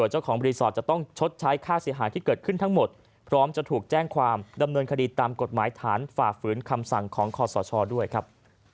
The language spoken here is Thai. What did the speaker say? เจ้าของรีสอร์ทจะต้องชดใช้ค่าเสียหายที่เกิดขึ้นทั้งหมดพร้อมจะถูกแจ้งความดำเนินคดีตามกฎหมายฐานฝ่าฝืนคำสั่งของคอสชด้วยครับ